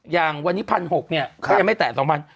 อย่างวันนี้พันหกเนี่ยเขายังไม่แตะสองพัน